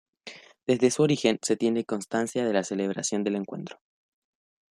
Desde su origen se tiene constancia de la celebración del Encuentro.